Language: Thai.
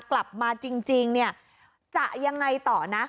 กลับมาจริงเนี่ยจะยังไงต่อนะ